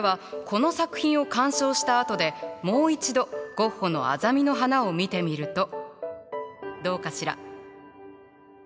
この作品を鑑賞したあとでもう一度ゴッホの「アザミの花」を見てみるとどうかしら？